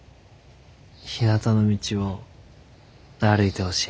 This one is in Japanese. ひなたの道を歩いてほしい。